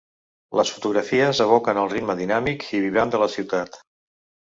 Les fotografies evoquen el ritme dinàmic i vibrant de la ciutat.